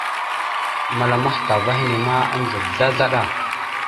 Məlam atah ava henne ma, adza slaslaɗa.